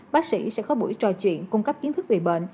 bác sĩ sẽ có buổi trò chuyện cung cấp kiến thức về bệnh